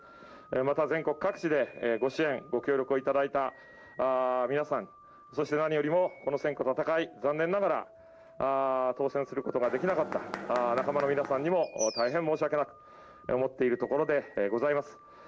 また全国各地でご支援ご協力をいただいた皆さん、そして何よりもこの選挙の戦い、残念ながら当選することができなかった仲間の皆さんにも大変申し訳なく思っているところでございます。